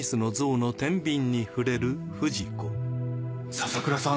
笹倉さん